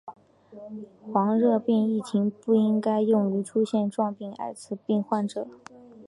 黄热病疫苗不应该用于出现症状的爱滋病患者。